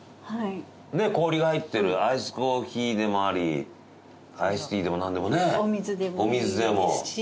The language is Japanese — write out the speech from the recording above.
ねっ氷が入ってるアイスコーヒーでもありアイスティーでもなんでもね。お水でもいいですし。